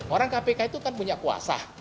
orang kpk itu kan punya kuasa